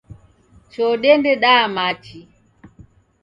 Choo dende daya machi.